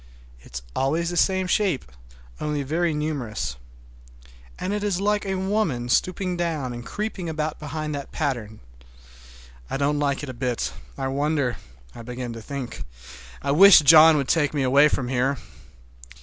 It is always the same shape, only very numerous. And it is like a woman stooping down and creeping about behind that pattern. I don't like it a bit. I wonder—I begin to think—I wish John would take me away from here!